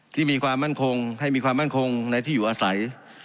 ที่มีความมั่นคงให้มีความมั่นคงในที่อยู่อาศัย